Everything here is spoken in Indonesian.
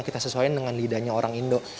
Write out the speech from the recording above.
kita sesuaikan dengan lidahnya orang indo